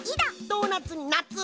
ドーナツにナツ！